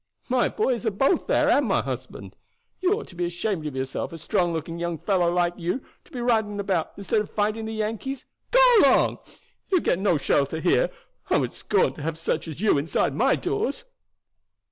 My boys are both there and my husband. You ought to be ashamed of yourself, a strong looking young fellow like you, to be riding about instead of fighting the Yankees. Go along! you will get no shelter here. I would scorn to have such as you inside my doors."